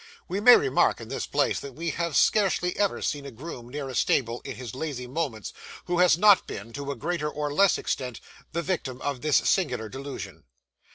We may remark, in this place, that we have scarcely ever seen a groom near a stable, in his lazy moments, who has not been, to a greater or less extent, the victim of this singular delusion.